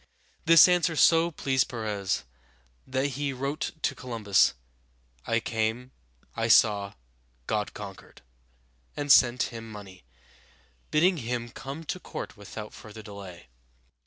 This answer so pleased Perez that he wrote to Columbus, "I came, I saw, God conquered," and sent him money, bidding him come to court without further delay.